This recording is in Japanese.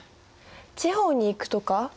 地方に行くとか？